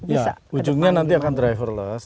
ya ujungnya nanti akan driverless